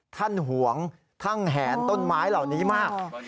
ห่วงท่านแหนต้นไม้เหล่านี้มาก